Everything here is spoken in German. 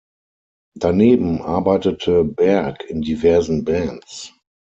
Daneben arbeitete Berg in diversen Bands.